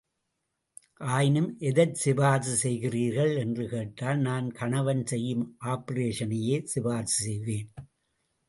ஆயினும் எதைச் சிபார்சு செய்கிறீர்கள் என்று கேட்டால் நான் கணவன் செய்யும் ஆப்பரேஷனையே சிபார்சு செய்வேன்.